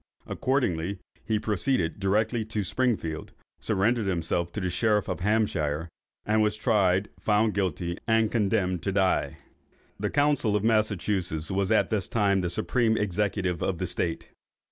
Accordingly he proceeded directly to Springfield, surrendered himself to the sheriff of Hampshire, was tried, found guilty, and condemned to die. The council of Massachusets was at this time the supreme executive of the State.